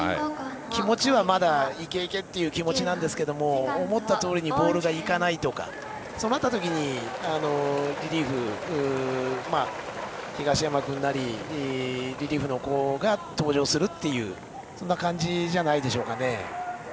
気持ちはまだいけいけっていう気持ちなんですけど思ったとおりにボールがいかないとかそうなったときにリリーフで東山君なり、リリーフの子が登場するという感じじゃないでしょうかね。